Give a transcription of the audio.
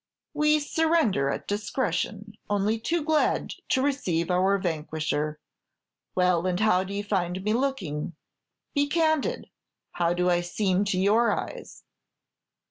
"We surrender at discretion, only too glad to receive our vanquisher. Well, and how do you find me looking? Be candid: how do I seem to your eyes?"